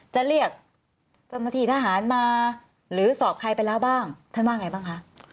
จะเรียกจำหน้าถีทหารมาหรือสอบใครไปแล้วบ้าง